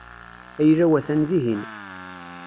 Ayla-w atan dihin.